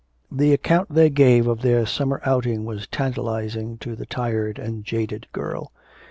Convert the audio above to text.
The account they gave of their summer outing was tantalising to the tired and jaded girl.